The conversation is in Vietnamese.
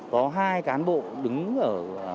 có hai cán bộ đứng ở